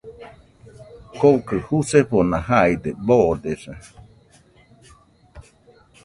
Kokɨ jusefona jaide boodesa.